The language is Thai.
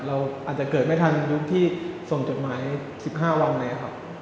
เราอาจจะเกิดไม่ทันยุคที่ส่งจดหมาย๑๕วันนะครับ